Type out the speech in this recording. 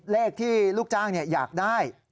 เลขที่ลูกจ้างอยากได้